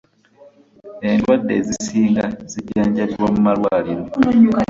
Endwadde ezisinga zijjanjabibwa mu malwaliro.